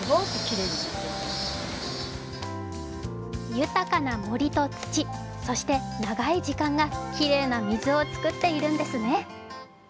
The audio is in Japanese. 豊かな森と土、そして長い時間がきれいな水を作っているんですね。